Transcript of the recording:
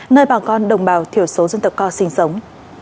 nơi bà con đồng bào thiểu số dân tộc co sinh sống